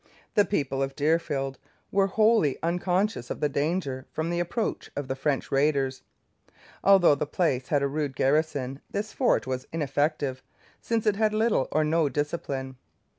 The people of Deerfield were wholly unconscious of the danger from the approach of the French raiders. Although the place had a rude garrison this force was ineffective, since it had little or no discipline.